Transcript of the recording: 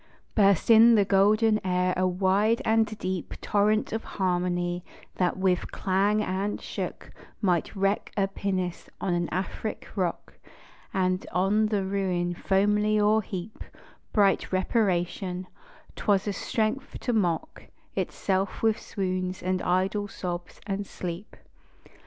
Burst in the golden air a wide and deep Torrent of harmony, that with clang and shock Might wreck a pinnace on an Afric rock, And on the ruin foamily o'erheap Bright reparation: 'twas a strength to mock Itself with swoons, and idle sobs, and sleep.